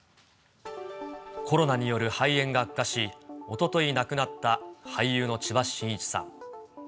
コロナによる肺炎が悪化し、おととい亡くなった俳優の千葉真一さん。